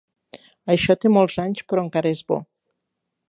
Això té molts anys, però encara és bo.